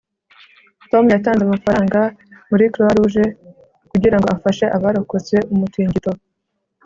tom yatanze amafaranga muri croix-rouge kugira ngo afashe abarokotse umutingito